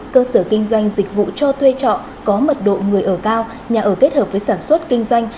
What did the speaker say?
cơ sở kinh doanh dịch vụ cho thuê trọ có mật độ người ở cao nhà ở kết hợp với sản xuất kinh doanh